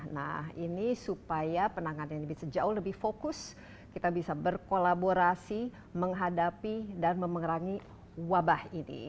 nah ini supaya penanganan ini bisa jauh lebih fokus kita bisa berkolaborasi menghadapi dan memengerangi wabah ini